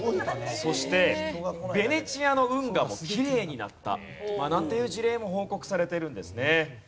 そしてベネチアの運河もきれいになったなんていう事例も報告されているんですね。